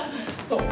そう。